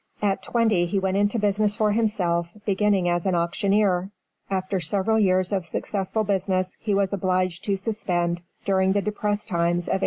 At twenty he went into business for himself, beginning as an auctioneer. After several years of successful business he was obliged to suspend, during the depressed times of 1838.